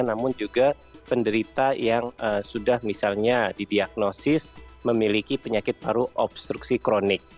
namun juga penderita yang sudah misalnya didiagnosis memiliki penyakit paru obstruksi kronik